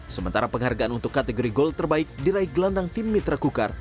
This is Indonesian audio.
sementara penghargaan untuk kategori gol terbaik diraih gelandang tim mitra kukar